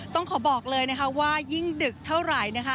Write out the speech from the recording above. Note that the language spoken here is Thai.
ต้องขอบอกเลยนะคะว่ายิ่งดึกเท่าไหร่นะคะ